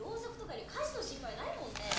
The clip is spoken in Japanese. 「火事の心配ないもんね」